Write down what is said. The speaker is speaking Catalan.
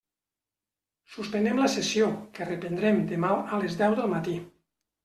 Suspenem la sessió, que reprendrem demà a les deu del matí.